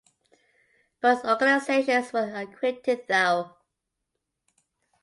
Both organizations were acquitted, though.